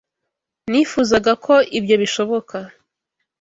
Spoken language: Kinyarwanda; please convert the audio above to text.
Nifuzaga ko ibyo bishoboka.